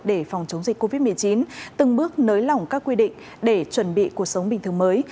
để phòng chống dịch covid một mươi chín từng bước nới lỏng các quy định để chuẩn bị cuộc sống bình thường mới